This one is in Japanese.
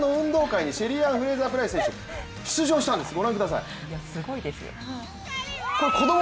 今年、お子さんの運動会にシェリーアン・フレイザー・プライス出場したんです、ご覧ください。